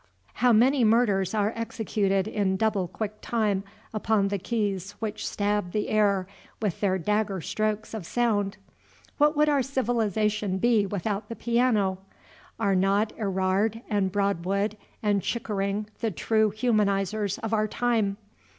How many murders are executed in double quick time upon the keys which stab the air with their dagger strokes of sound! What would our civilization be without the piano? Are not Erard and Broadwood and Chickering the true humanizers of our time?